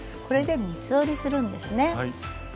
これで三つ折りするんですね。